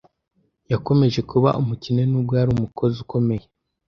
Yakomeje kuba umukene nubwo yari umukozi ukomeye.